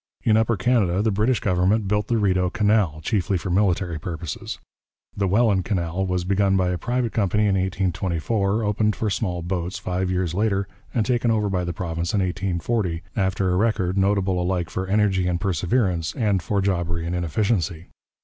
In Upper Canada the British government built the Rideau Canal, chiefly for military purposes. The Welland Canal was begun by a private company in 1824, opened for small boats five years later, and taken over by the province in 1840, after a record notable alike for energy and perseverance and for jobbery and inefficiency.